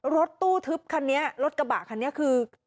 รถตู้ทึบคันนี้รถกระบะคันนี้คือ